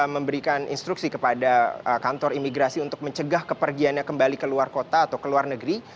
memberikan instruksi kepada kantor imigrasi untuk mencegah kepergiannya kembali ke luar kota atau ke luar negeri